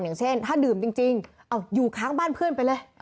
อย่างเช่นถ้าดื่มจริงอยู่ค้างบ้านเพื่อนไปเลย